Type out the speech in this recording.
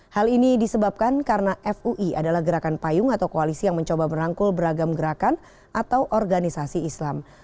hal ini disebabkan karena fui adalah gerakan payung atau koalisi yang mencoba merangkul beragam gerakan atau organisasi islam